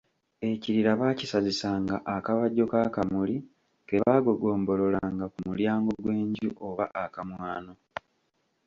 Ekirira baakisazisanga akabajjo k’akamuli ke baagogombolanga ku mulyango gw’enju oba akamwano.